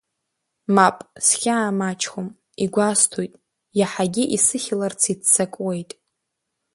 Мап, схьаа маҷхом, игәасҭоит, иаҳагьы исыхьларц иццакуеит.